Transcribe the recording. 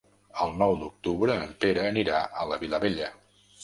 El nou d'octubre en Pere anirà a la Vilavella.